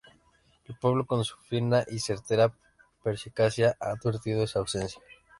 El pueblo, con su fina y certera perspicacia, ha advertido esa ausencia...